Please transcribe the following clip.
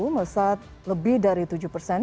melesat lebih dari tujuh persen